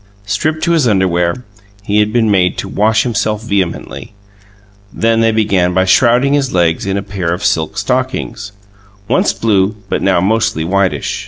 Stripped to his underwear, he had been made to wash himself vehemently; then they began by shrouding his legs in a pair of silk stockings, once blue but now mostly whitish.